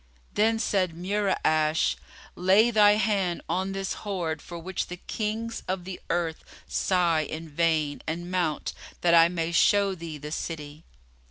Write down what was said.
Then said Mura'ash "Lay thy hand on this hoard for which the Kings of the earth sigh in vain, and mount, that I may show thee the city."